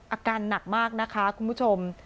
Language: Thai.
อาการหนักมากนะคะคุณผู้ชม